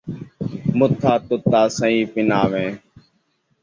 بُکھا کتا سئیں پݨاوے